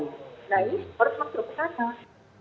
nah ini harus masuk ke sana